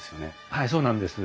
はいそうなんです。